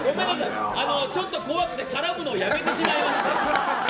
ちょっと怖くて絡むのをやめてしまいました。